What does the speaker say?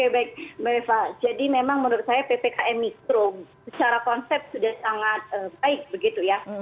baik mbak eva jadi memang menurut saya ppkm mikro secara konsep sudah sangat baik begitu ya